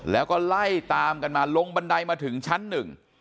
แล้วก็ไล่ตามกันมาลงบันไดมาถึงชั้นหนึ่ง